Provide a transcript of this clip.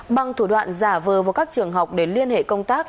bằng thủ đoạn giả vờ vào các trường học để liên hệ công tác